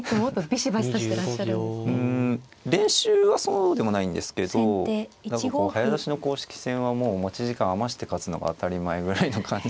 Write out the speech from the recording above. うん練習はそうでもないんですけど何かこう早指しの公式戦はもう持ち時間余して勝つのが当たり前ぐらいの感じなんで。